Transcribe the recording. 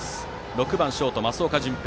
６番ショート、益岡潤平。